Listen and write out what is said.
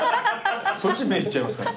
そっち目いっちゃいますから。